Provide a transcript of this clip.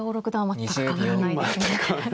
全く変わらないですね。